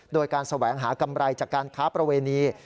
โดยการแสวงหากำไรจากการค้าประเวณี